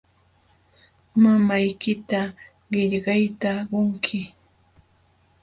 Mamaykita qillayta qunki.